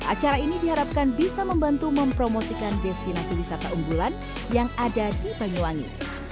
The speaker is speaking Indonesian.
acara ini diharapkan bisa membantu mempromosikan destinasi wisata unggulan yang ada di banyuwangi